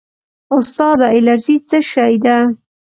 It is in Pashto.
استاده الرژي څه شی ده